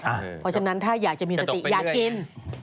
เพราะฉะนั้นถ้าอยากจะมีสติอยากกิน